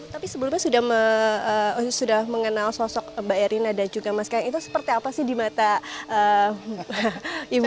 tapi sebelumnya sudah mengenal sosok mbak erina dan juga mas kai itu seperti apa sih di mata ibu